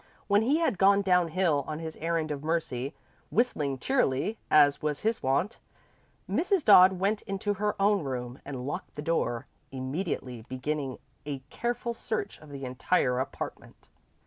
When he had gone downhill on his errand of mercy, whistling cheerily as was his wont, Mrs. Dodd went into her own room and locked the door, immediately beginning a careful search of the entire apartment.